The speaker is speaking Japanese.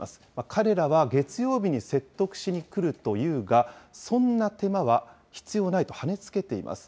彼らは月曜日に説得しに来るというが、そんな手間は必要ないとはねつけています。